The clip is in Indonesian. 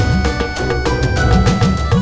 dot dot dot buka dot buka dot